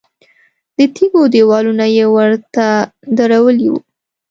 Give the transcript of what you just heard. د تیږو دیوالونه یې ورته درولي وو.